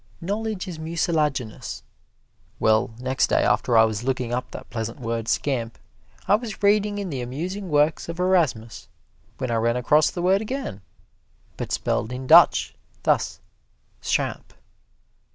Knowledge is mucilaginous. Well, next day after I was looking up that pleasant word "scamp," I was reading in the Amusing Works of Erasmus, when I ran across the word again, but spelled in Dutch, thus, "schamp."